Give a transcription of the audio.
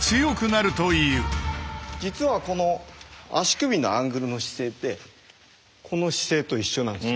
実はこの足首のアングルの姿勢ってこの姿勢と一緒なんです。